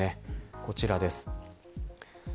こちらです。